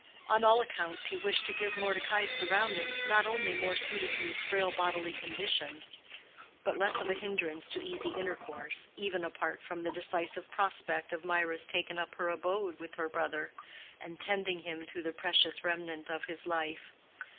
On all accounts he wished to give Mordecai surroundings not only more suited to his frail bodily condition, but less of a hindrance to easy intercourse, even apart from the decisive prospect of Mirah's taking up her abode with her brother, and tending him through the precious remnant of his life.